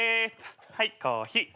はいコーヒー。